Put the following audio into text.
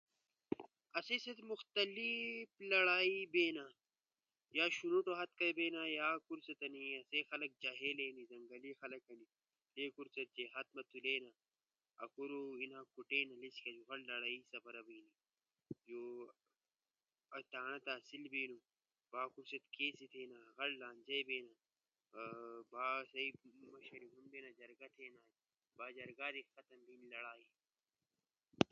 آسئی سدی مختلف لڑائی بینی یا شنوٹو کئی ہات تی بینا یا اکھورو ست ہورو بینا، با کوٹینی، با تحصیل تی بینا با جرگہ مرگہ تھیدا فیصلہ بینا۔ غٹو بینا یا کامیک ی بیڑی یشوٹو ، معمولی بات در لڑائی سپارا بجنو با لانجا سپارا بینو۔